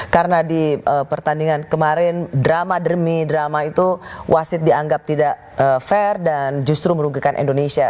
karena di pertandingan kemarin drama demi drama itu wasit dianggap tidak fair dan justru merugikan indonesia